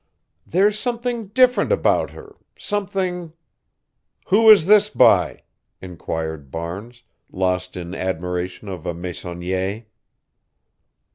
"There's something different about her something" "Who is this by?" inquired Barnes, lost in admiration of a Meissonier.